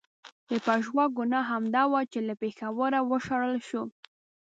د پژواک ګناه همدا وه چې له پېښوره و شړل شو.